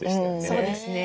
そうですね。